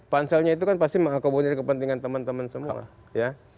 panselnya itu kan pasti mengakomodir kepentingan teman teman semua ya